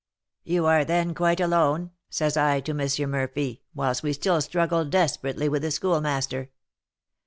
'You are, then, quite alone?' says I to M. Murphy, whilst we still struggled desperately with the Schoolmaster.